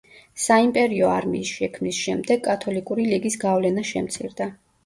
საიმპერიო არმიის შექმნის შემდეგ კათოლიკური ლიგის გავლენა შემცირდა.